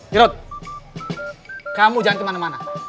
jerot kamu jangan kemana mana